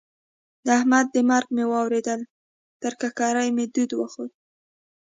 د احمد د مرګ مې واورېدل؛ تر ککرۍ مې دود وخوت.